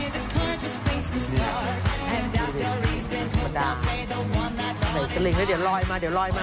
เดี๋ยวลอยมา